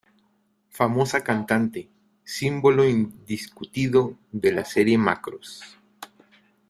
Famosa cantante, símbolo indiscutido de la serie Macross.